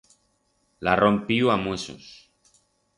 L'ha rompiu a muesos.